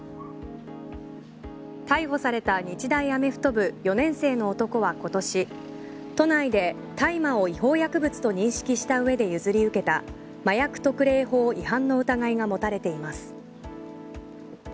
逮捕された日大アメフト部４年生の男は今年都内で大麻を違法薬物と認識した上で譲り受けた麻薬特例法違反の疑いが持たれています。